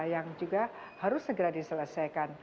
yang juga harus segera diselesaikan